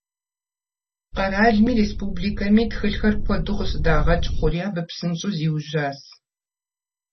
Къэралми республикэми тхылъхэр куэду къыщыдагъэкӏ хъури, абы псынщӏэу зиужьащ.